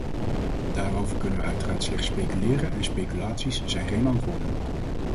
Daarover kunnen we uiteraard slechts speculeren en speculaties zijn geen antwoorden.